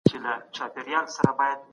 چیرې چې تاسې د ودې احساس وکړئ.